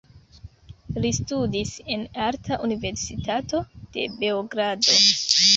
Li studis en arta universitato de Beogrado.